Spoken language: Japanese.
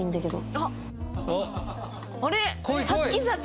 あれ？